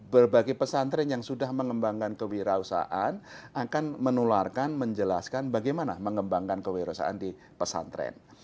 berbagai pesantren yang sudah mengembangkan kewirausahaan akan menularkan menjelaskan bagaimana mengembangkan kewirausahaan di pesantren